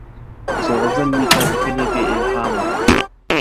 چي غزل وي چا لیکلی بې الهامه,